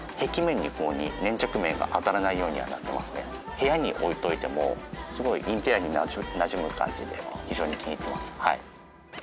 部屋に置いておいてもすごいインテリアになじむ感じで非常に気に入っていますはい。